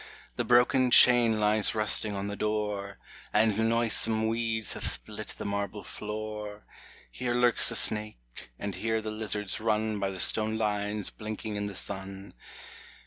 The broken chain lies rusting on the door, And noisome weeds have split the marble floor : Here lurks the snake, and here the lizards run By the stone lions blinking in the sun.